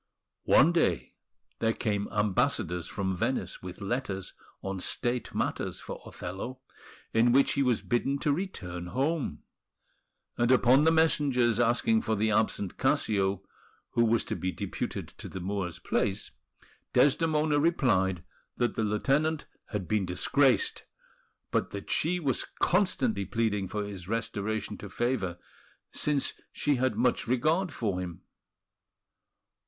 One day there came ambassadors from Venice with letters on State matters for Othello, in which he was bidden to return home; and upon the messengers asking for the absent Cassio, who was to be deputed to the Moor's place, Desdemona replied that the lieutenant had been disgraced, but that she was constantly pleading for his restoration to favour, since she had much regard for him.